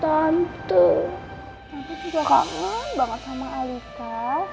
tapi juga kangen banget sama alika